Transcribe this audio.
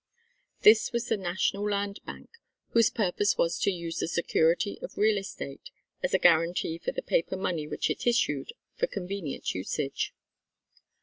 This was the National Land Bank whose purpose was to use the security of real estate as a guarantee for the paper money which it issued for convenient usage.